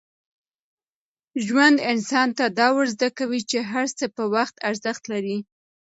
ژوند انسان ته دا ور زده کوي چي هر څه په وخت ارزښت لري.